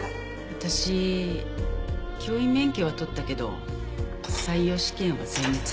私教員免許は取ったけど採用試験は全滅。